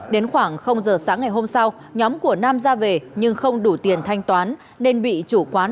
đến khoảng giờ sáng ngày hôm sau nhóm của nam ra về nhưng không đủ tiền thanh toán nên bị chủ quán